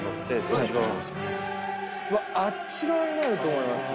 あっち側になると思いますね。